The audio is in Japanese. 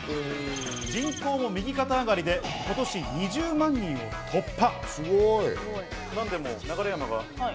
人口も右肩上がりで今年２０万人を突破。